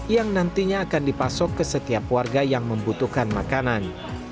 yang nantinya akan dipasok ke setiap warga yang membutuhkan makanan